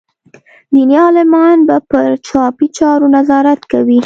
دیني عالمان به پر چاپي چارو نظارت کوي.